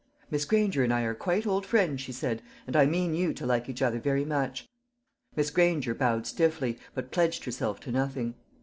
"Miss Granger and I are quite old friends," she said, "and I mean you to like each other very much." Miss Granger bowed stiffly, but pledged herself to nothing.